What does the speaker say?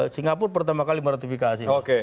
singapura pertama kali meratifikasi